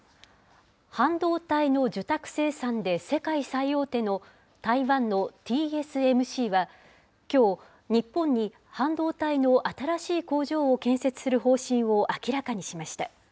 半導体の受託生産で世界最大手の台湾のＴＳＭＣは、きょう、日本に半導体の新しい工場を建設する方針を明らかにしました。